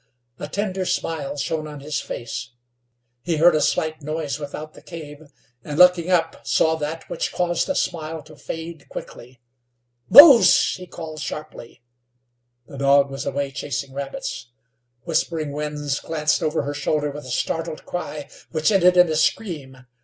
A tender smile shone on his face. He heard a slight noise without the cave, and, looking up, saw that which caused the smile to fade quickly. "Mose!" he called, sharply. The dog was away chasing rabbits. Whispering Winds glanced over her shoulder with a startled cry, which ended in a scream.